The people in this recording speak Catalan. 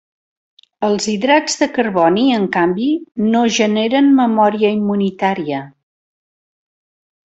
Els hidrats de carboni, en canvi, no generen memòria immunitària.